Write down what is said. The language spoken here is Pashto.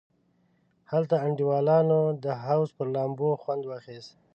هلته انډیوالانو د حوض پر لامبو خوند واخیست.